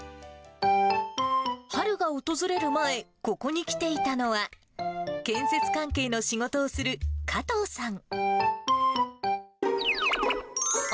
春が訪れる前、ここに来ていたのは、建設関係の仕事をする加藤さん。